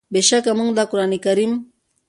بېشکه مونږ دا قرآن د قدر په شپه نازل کړی دی